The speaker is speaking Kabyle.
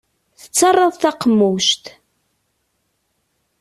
Tettarraḍ taqemmuct.